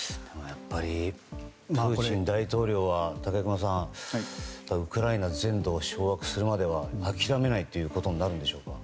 プーチン大統領は武隈さんウクライナ全土を掌握するまでは諦めないということになるんでしょうか。